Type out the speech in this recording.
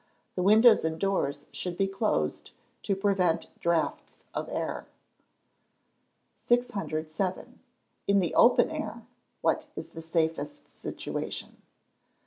The windows and doors should be closed, to prevent drafts of air. 607. _In the open air, what is the safest situation?